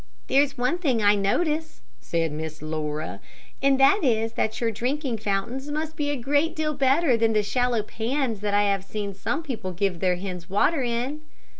'" "There's one thing I notice," said Miss Laura, "and that is that your drinking fountains must be a great deal better than the shallow pans that I have seen some people give their hens water in."